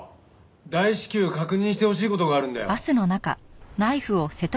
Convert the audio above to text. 大至急確認してほしい事があるんだよ。